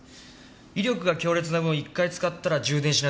威力が強烈な分１回使ったら充電しないとダメですけど。